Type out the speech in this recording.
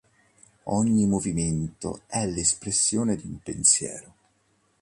Ogni movimento è l'espressione di un pensiero.